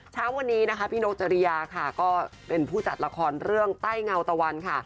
เช้าวันนี้นะคะพี่นกจริยาค่ะก็เป็นผู้จัดละครเรื่องใต้เงาตะวันค่ะ